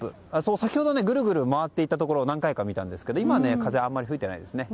先ほどぐるぐる回っていたところを何回か見たんですが今、あまり風が吹いていないですね。